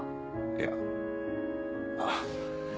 いやあっ。